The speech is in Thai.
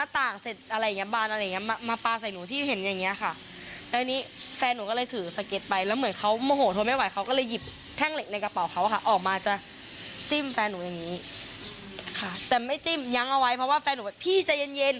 แต่ไม่จิ้มยั้งเอาไว้เพราะว่าแฟนหนูว่าพี่ใจเย็น